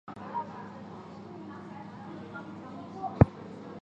谢迪尼人口变化图示